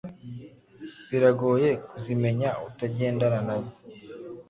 biragoye kuzimenya utagendana nabo